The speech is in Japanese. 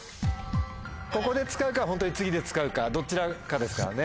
ここで使うかホントに次で使うかどちらかですからね。